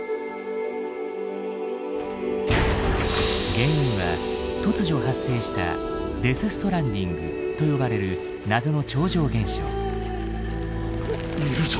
原因は突如発生した「デス・ストランディング」と呼ばれる謎の超常現象。